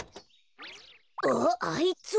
あっあいつは。